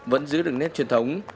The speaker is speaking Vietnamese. vẫn giữ được nét truyền thống